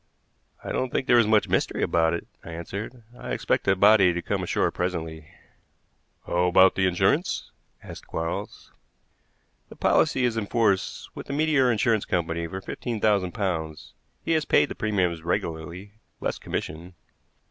"I don't think there is much mystery about it," I answered. "I expect the body to come ashore presently." "How about the insurance?" asked Quarles. "The policy is in force with the Meteor Insurance Company for fifteen thousand pounds. He has paid the premiums regularly, less commission."